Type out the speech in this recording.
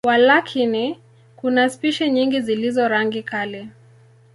Walakini, kuna spishi nyingi zilizo rangi kali.